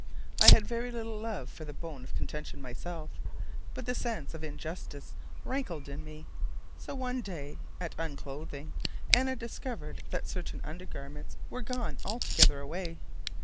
I had very little love for the bone of contention myself, but the sense of injustice rankled in me. So one day, at an unclothing, Anna discovered that certain undergarments were gone altogether away.